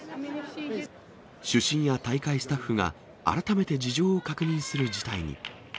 主審や大会スタッフが改めて事情を確認する事態に。